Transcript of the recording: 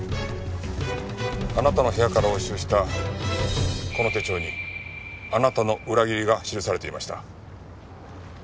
あなたの部屋から押収したこの手帳にあなたの裏切りが記されていました。